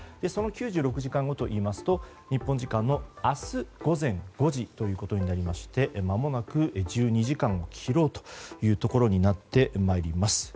その９６時間後といいますと日本時間の明日午前５時ということでまもなく１２時間を切ろうというところになってまいります。